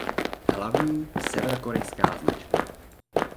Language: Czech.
Hlavní severokorejská značka.